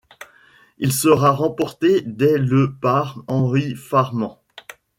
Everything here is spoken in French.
Il sera remporté dès le par Henri Farman.